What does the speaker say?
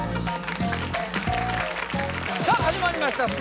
さあ始まりました